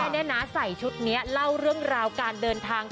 นี่นะใส่ชุดนี้เล่าเรื่องราวการเดินทาง